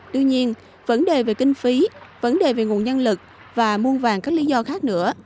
tuy nhiên vấn đề về kinh phí vấn đề về nguồn nhân lực và muôn vàn các lý do khác nữa